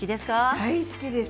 大好きです。